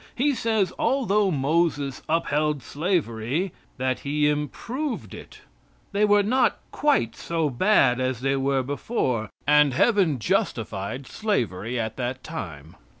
He says although Moses upheld slavery, that he improved it. They were not quite so bad as they were before, and Heaven justified slavery at that time.